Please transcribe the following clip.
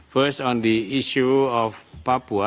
pertama tentang isu papua